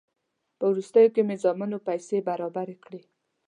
په وروستیو کې مې زامنو پیسې برابرې کړې.